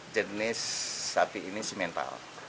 jenis sapi ini simental